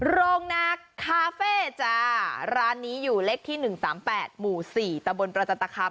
โรงนักคาเฟ่จ้าร้านนี้อยู่เลขที่๑๓๘หมู่๔ตะบนประจันตคัม